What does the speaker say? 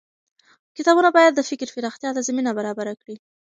کتابونه بايد د فکر پراختيا ته زمينه برابره کړي.